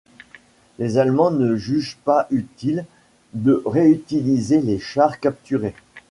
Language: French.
Les Allemands ne jugent pas utile de réutiliser les chars capturés.